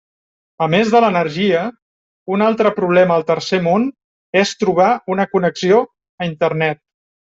A més de l'energia, un altre problema al tercer món és trobar una connexió a Internet.